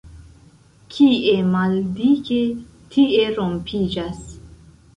Kie maldike, tie rompiĝas.